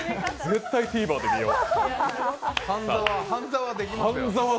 絶対ＴＶｅｒで見よう。